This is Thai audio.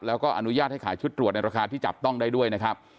แล้วก็อนุญาตให้ขายชุดตรวจในราคาที่จับต้องได้ด้วยนะครับ